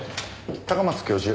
高松教授